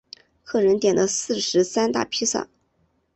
客人点了四十三大披萨